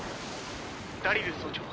ダリル曹長